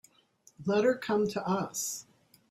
Let her come to us.